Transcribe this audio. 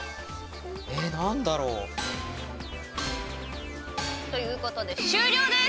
えー、なんだろう。ということで終了です。